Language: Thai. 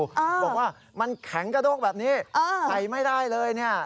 บอกว่ามันแข็งกระโดกแบบนี้ใส่ไม่ได้เลยเนี่ย